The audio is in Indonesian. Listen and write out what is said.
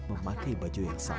memakai baju yang sama